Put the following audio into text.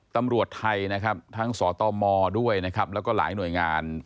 ตำรวจไทยทั้งสตมด้วยแล้วก็หลายหน่วยงาน